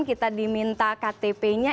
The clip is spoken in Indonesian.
kita diminta ktp nya